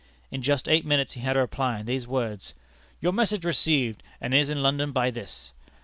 In just eight minutes he had a reply in these words: 'Your message received, and is in London by this.'